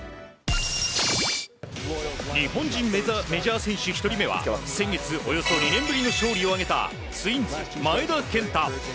日本人メジャー選手１人目は先月およそ２年ぶりの勝利を挙げたツインズ、前田健太。